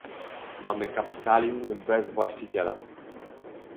Mamy kapitalizm bez właściciela